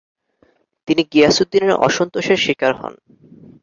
তিনি গিয়াসউদ্দিনের অসন্তোষের শিকার হন।